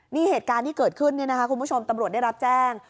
นี่เหตุการณ์ที่เกิดขึ้นเนี่ยนะคะคุณผู้ชมตำรวจได้รับแจ้ง